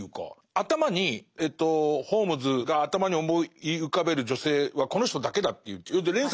頭にホームズが頭に思い浮かべる女性はこの人だけだ」という連載